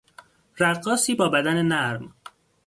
رقاصی با بدن نرم